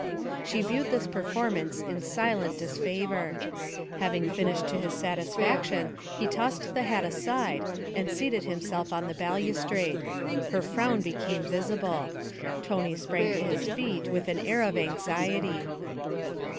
She viewed this performance in silent disfavour. Having finished to his satisfaction, he tossed the hat aside and seated himself on the balustrade. Her frown became visible. Tony sprang to his feet with an air of anxiety.